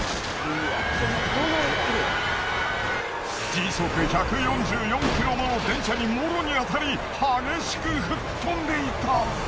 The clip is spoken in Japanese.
時速１４４ｋｍもの電車にもろに当たり激しく吹っ飛んでいた。